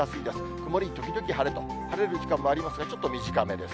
曇り時々晴れと、晴れる時間もありますが、ちょっと短めです。